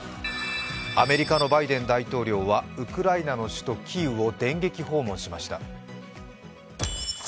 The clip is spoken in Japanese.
アメリカのバイデン大統領はウクライナの首都キーウを電撃訪問しました。